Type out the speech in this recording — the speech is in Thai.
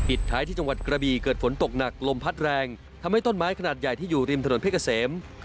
ท้ายที่จังหวัดกระบีเกิดฝนตกหนักลมพัดแรงทำให้ต้นไม้ขนาดใหญ่ที่อยู่ริมถนนเพชรเกษม